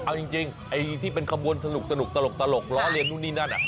เอาจริงไอ้ที่เป็นขบวนสนุกตลกล้อเลียนนู่นนี่นั่น